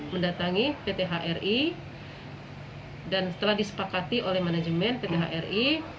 mendatangi pthri dan telah disepakati oleh manajemen pthri